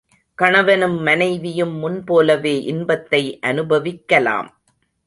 கணவனும் மனைவியும் முன்போலவே இன்பத்தை அனுபவிக்கலாம்.